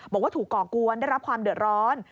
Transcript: บอกว่าถูกก่อกวนได้รับความเดือดร้อน